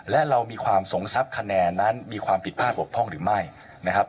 และเรามีความสงสับคะแนนนั้นมีความผิดพลาดหรือไม่นะครับ